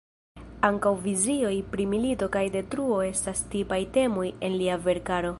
Ankaŭ vizioj pri milito kaj detruo estas tipaj temoj en lia verkaro.